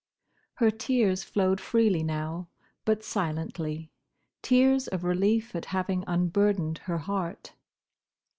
Her tears flowed freely now, but silently: tears of relief at having unburdened her heart.